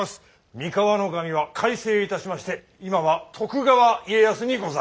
三河守は改姓いたしまして今は徳川家康にございます。